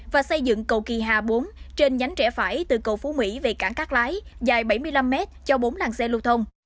và xây dựng cầu kỳ hà bốn trên nhánh rẽ phải từ cầu phú mỹ về cảng cát lái dài bảy mươi năm m cho bốn làng xe lưu thông